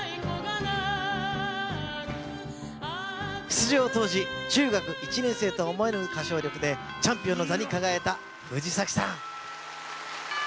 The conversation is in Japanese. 出場当時中学１年生とは思えぬ歌唱力でチャンピオンの座に輝いた藤崎さん。